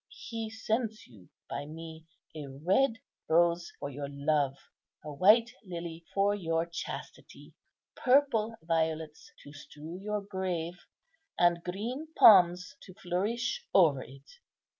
He sends you by me a red rose for your love, a white lily for your chastity, purple violets to strew your grave, and green palms to flourish over it.